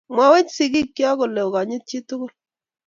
mwowech sigik cho kole ongekonyit biik tugul